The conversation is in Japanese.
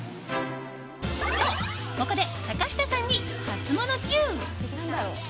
と、ここで坂下さんにハツモノＱ。